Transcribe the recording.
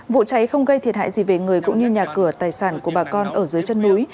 vụ cháy không gây thiệt hại gì về người cũng như nhà cửa tài sản của bà con ở dưới chân núi